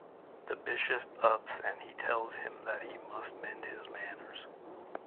The bishop ups and he tells him that he must mend his manners.